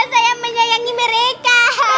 saya menyayangi mereka